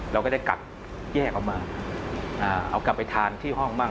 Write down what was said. เราก็ได้กลับแยกออกมาเอากลับไปทานที่ห้องบ้าง